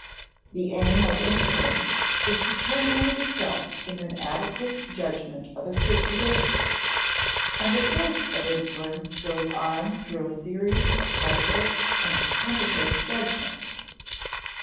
The aim of inference is to terminate itself in an adequate judgment of a situation, and the course of inference goes on through a series of partial and tentative judgments.